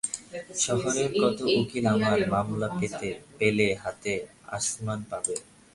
শহরের কত উকিল আমার মামলা পেলে হাতে আসমান পাবে।